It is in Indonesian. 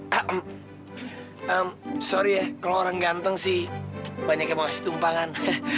hmm sorry ya kalau orang ganteng sih banyak yang ngasih tumpangan